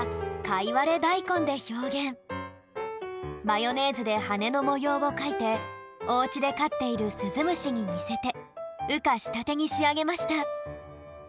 マヨネーズではねのもようをかいておうちでかっているスズムシににせてうかしたてにしあげました